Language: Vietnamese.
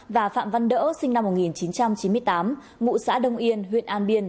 và phạm văn đỡ sinh năm một nghìn chín trăm chín mươi tám ngụ xã đông yên huyện an biên